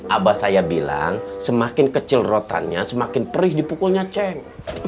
abah saya bilang semakin kecil rotannya semakin perih dipukulnya ceng